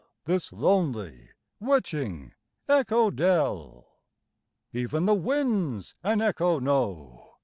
This lonely, witching Echo Dell ! Even the winds an echo know.